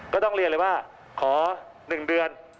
ก็ต้องเรียนเลยว่าขอ๑เดือน